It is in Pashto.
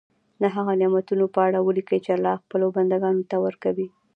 د هغه نعمتونو په اړه ولیکي چې الله خپلو بندګانو ته ورکوي.